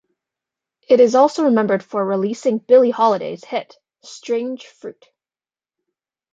It is also remembered for releasing Billie Holiday's hit "Strange Fruit".